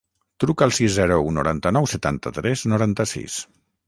Truca al sis, zero, u, noranta-nou, setanta-tres, noranta-sis.